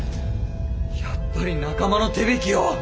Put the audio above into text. やっぱり仲間の手引きを。